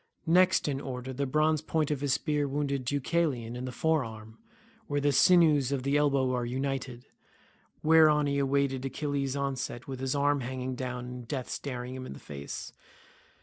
Next in order the bronze point of his spear wounded Deucalion in the fore arm where the sinews of the elbow are united, whereon he waited Achilles' onset with his arm hanging down and death staring him in the face.